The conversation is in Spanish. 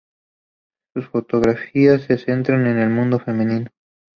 Sus fotografías se centran en el mundo femenino.